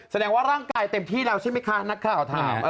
แสดงว่าร่างกายเต็มที่แล้วใช่ไหมคะนักข่าวถาม